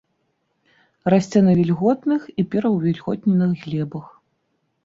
Расце на вільготных і пераўвільготненых глебах.